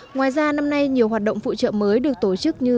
ngoài ra năm nay nhiều hoạt động phụ trợ mới được tổ chức như